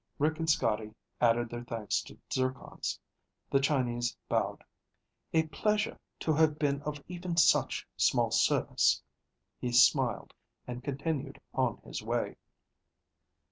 Rick and Scotty added their thanks to Zircon's. The Chinese bowed. "A pleasure to have been of even such small service." He smiled and continued on his way.